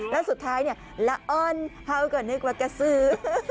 แล้วสุดท้ายนี่ละอ่อนฮาวกะนึกว่ากระสือ